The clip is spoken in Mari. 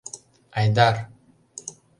Айдар!